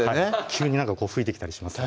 急に吹いてきたりします